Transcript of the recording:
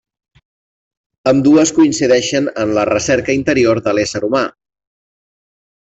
Ambdues coincideixen en la recerca interior de l'ésser humà.